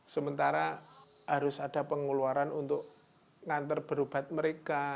sementara harus ada pengeluaran untuk ngantar berobat mereka